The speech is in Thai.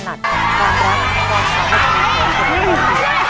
ขนาดของความรักและความสำคัญของคุณ